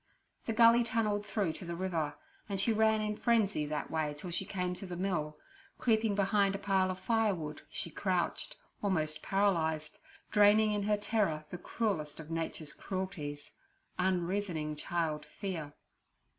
The gully tunnelled through to the river, and she ran in frenzy that way till she came to the mill; creeping behind a pile of firewood, she crouched, almost paralyzed, draining in her terror the cruellest of Nature's cruelties—unreasoning child fear.